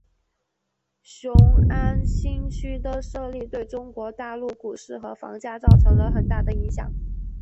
雄安新区的设立对中国大陆股市和房价造成了很大的影响。